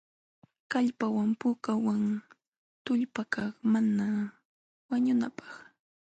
Kallpawan puukanam tullpakaq mana wañunanapq.